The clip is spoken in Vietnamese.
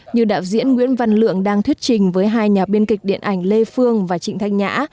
như đạo diễn nguyễn văn lượng đang thuyết trình với hai nhà biên kịch điện ảnh lê phương và trịnh thanh nhã